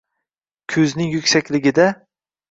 Kuzning yuksakligida